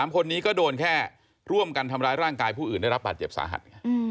๓คนนี้ก็โดนแค่ร่วมกันทำร้ายร่างกายผู้อื่นได้รับบาดเจ็บสาหัส